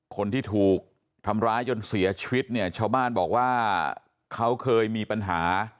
คนที่ถูกทำร้ายจนเสียชีวิตเนี่ยชาวบ้านบอกว่าเขาเคยมีปัญหา